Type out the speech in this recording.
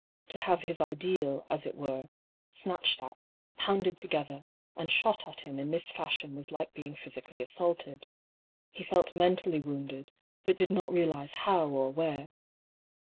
To have his ideal, as it were, snatched at, pounded together, and shot at him in this fashion was like being physically assaulted. He felt mentally wound ed, but did not realise how or where.